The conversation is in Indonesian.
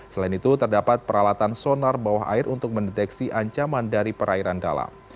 selain itu terdapat peralatan sonar bawah air untuk mendeteksi ancaman dari perairan dalam